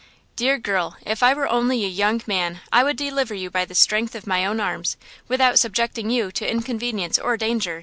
Dear girl! if I were only a young man I would deliver you by the strength of my own arms, without subjecting you to inconvenience or danger!"